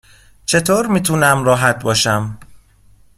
چطور میتونم راحت باشم؟